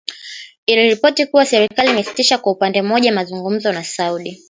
Iliripoti kuwa serikali imesitisha kwa upande mmoja mazungumzo na Saudi.